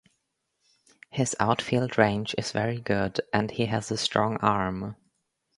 His outfield range is very good, and he has a strong arm.